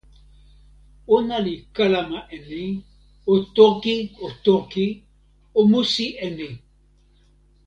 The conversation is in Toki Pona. ona li kalama e ni: "o toki, o toki, o musi e ni!"